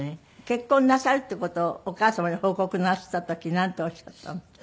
結婚なさるっていう事お母様に報告なすった時なんておっしゃったの？